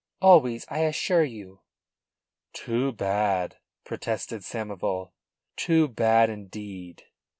"Always, I assure you." "Too bad," protested Samoval. "Too bad, indeed.